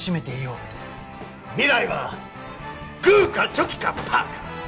未来はグーかチョキかパーか。